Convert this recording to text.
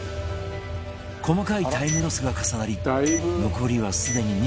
細かいタイムロスが重なり残りはすでに２２分